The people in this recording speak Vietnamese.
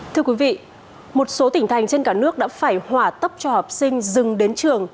thưa quý vị một số tỉnh thành trên cả nước đã phải hỏa tốc cho học sinh dừng đến trường